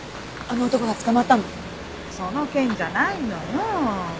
その件じゃないのよ。